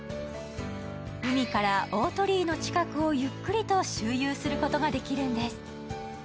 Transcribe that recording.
海から大鳥居の近くをゆっくりと周遊することができるんです。